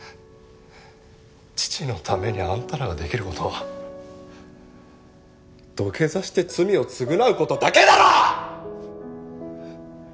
父のためにあんたらができる事は土下座して罪を償う事だけだろ！！